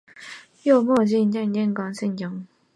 由文字推测语言并不准确。